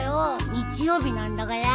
日曜日なんだから。